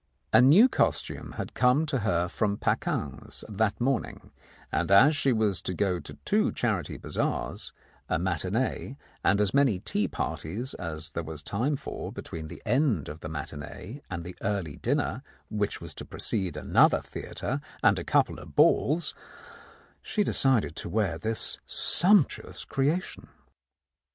A new costume had come for her from Paquin's that morn ing, and as she was to go to two charity bazaars, a matinee, and as many tea parties as there was time for between the end of the matinee and the early dinner which was to precede another theatre and a couple of balls, she decided to wear this sumptuous creation.